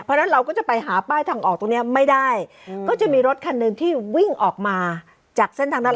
เพราะฉะนั้นเราก็จะไปหาป้ายทางออกตรงเนี้ยไม่ได้ก็จะมีรถคันหนึ่งที่วิ่งออกมาจากเส้นทางนั้น